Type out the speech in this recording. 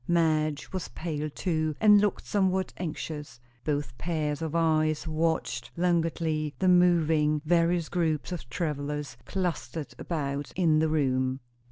Madge was pale too, and looked somewhat anxious. Both pairs of eyes watched languidly the moving, various groups of travellers clustered about in the room.